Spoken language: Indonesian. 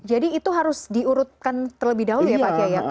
jadi itu harus diurutkan terlebih dahulu ya pak kya ya